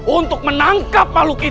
untuk menangkap makhluk itu